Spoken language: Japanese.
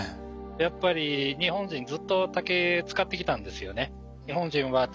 やっぱり日本人ずっと竹使ってきたんですよね。